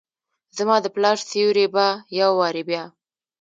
زماد پلار سیوری به ، یو وارې بیا،